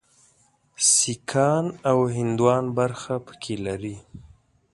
سیکهان او هندوان برخه پکې لري.